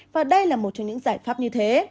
và đây là một trong những giải pháp như thế